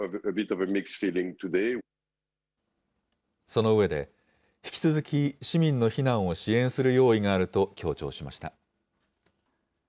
その上で、引き続き、市民の避難を支援する用意があると強調しました。